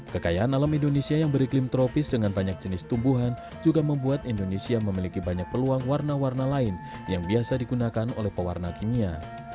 kekayaan alam indonesia yang beriklim tropis dengan banyak jenis tumbuhan juga membuat indonesia memiliki banyak peluang warna warna lain yang biasa digunakan oleh pewarna kimia